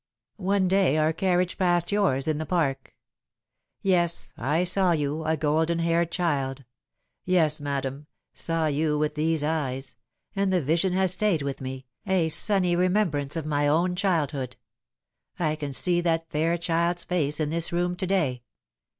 One day our carriage passed yours in the Park. Yes, I saw you, a golden haired child yes, madam, saw you with 88 The Fatal Tbre*. these eyes and the vision has stayed with me, a sunny remem brance of my own childhood. I can see that fair child's face in this room to day."